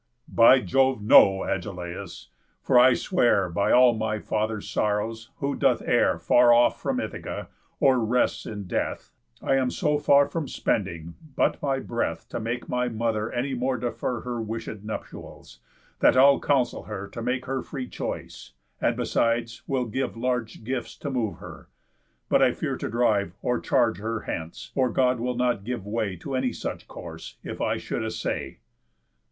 "By Jove, no, Agelaus! For I swear By all my father's sorrows, who doth err Far off from Ithaca, or rests in death, I am so far from spending but my breath To make my mother any more defer Her wishéd nuptials, that I'll counsel her To make her free choice; and besides will give Large gifts to move her. But I fear to drive Or charge her hence; for God will not give way To any such course, if I should assay."